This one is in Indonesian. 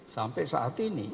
sampai saat ini